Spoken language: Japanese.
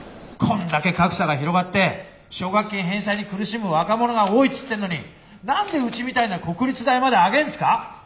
こんだけ格差が広がって奨学金返済に苦しむ若者が多いっつってんのに何でうちみたいな国立大まで上げんですか？